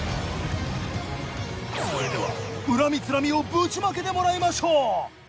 それでは恨みつらみをぶちまけてもらいましょう！